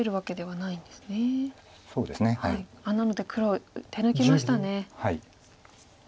なので黒手抜きましたね。